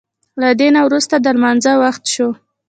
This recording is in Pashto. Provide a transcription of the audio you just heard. له دې نه وروسته د لمانځه وخت شو.